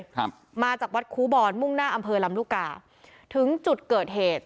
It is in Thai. ครับมาจากวัดครูบอลมุ่งหน้าอำเภอลำลูกกาถึงจุดเกิดเหตุ